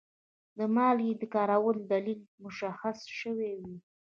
د مالګې د کارولو دلیل مشخص شوی وي.